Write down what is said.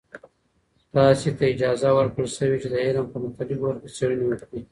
تاسې ته اجازه ورکړل شوې چې د علم په مختلفو برخو کې څیړنې وکړئ.